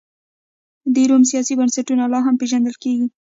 د روم سیاسي بنسټونه لا هم پېژندل کېږي.